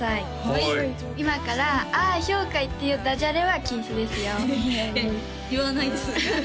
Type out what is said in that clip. はい今から「ああひょうかい」っていうダジャレは禁止ですよいや言わないです